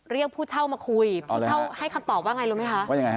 เรียกผู้เช่ามาคุยให้คำตอบว่าไงรู้มั้ยคะ